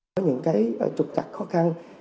có những cái trục cặt khó khăn